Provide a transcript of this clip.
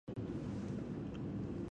مېرمنې چې په جګړه کې شاملي وې، اتلې وې.